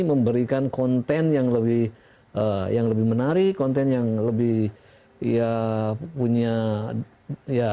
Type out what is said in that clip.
memberikan konten yang lebih menarik konten yang lebih punya